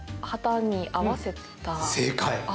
正解。